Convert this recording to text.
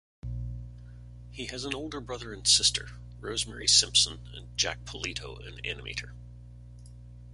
He has an older brother and sister, Rosemary Simpson and Jack Polito, an animator.